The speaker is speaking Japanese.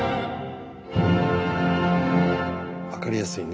分かりやすいね。